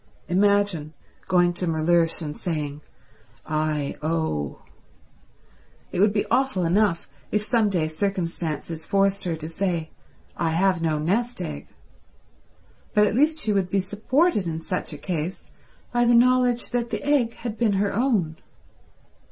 Imagine going to Mellersh and saying, "I owe." It would be awful enough if some day circumstances forced her to say, "I have no nest egg," but at least she would be supported in such a case by the knowledge that the egg had been her own.